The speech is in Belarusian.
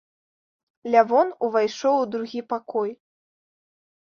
Лявон увайшоў у другі пакой.